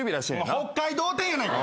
北海道展やないか。